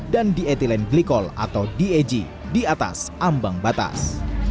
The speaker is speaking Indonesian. dan diethylene glycol atau dag di atas ambang batas